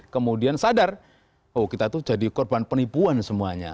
kemudian sadar oh kita tuh jadi korban penipuan semuanya